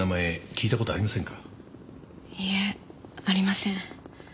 いいえありません。